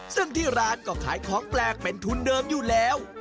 ซึ่งที่ร้านก็ขายของแปลกเป็นทุนเดิมอยู่แล้ว